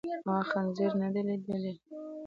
ما خنزير ندی لیدلی.